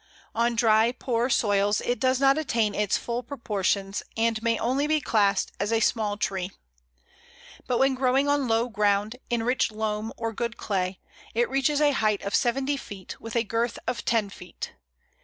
On dry, poor soils it does not attain its full proportions and may only be classed as a small tree; but when growing on low ground, in rich loam or good clay, it reaches a height of seventy feet, with a girth of ten feet.